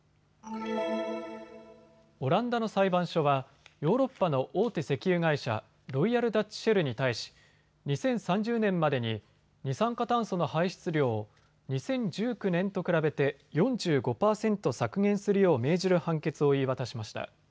オランダの裁判所はヨーロッパの大手石油会社ロイヤル・ダッチ・シェルに対し２０３０年までに二酸化炭素の排出量を２０１９年と比べて４５％削減するよう命じる判決を言い渡しました。